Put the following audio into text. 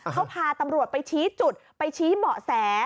เขาพาตำรวจไปชี้จุดไปชี้เบาะแส